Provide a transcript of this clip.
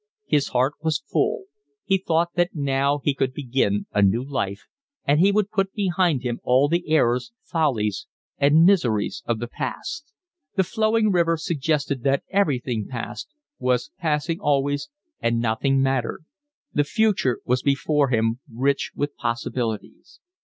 His heart was full. He thought that now he could begin a new life, and he would put behind him all the errors, follies, and miseries of the past. The flowing river suggested that everything passed, was passing always, and nothing mattered; the future was before him rich with possibilities.